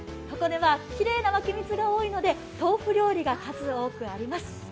箱根はきれいな湧き水が多いので、豆腐料理が数多くあります。